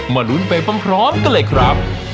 ลุ้นไปพร้อมกันเลยครับ